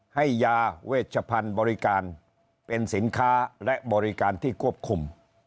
ให้ยาเวชพันธุ์บริการเป็นสินค้าและบริการที่ควบคุม